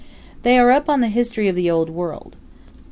They are up on the history of the Old World.